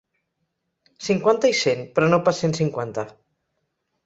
Cinquanta i cent, però no pas cent cinquanta.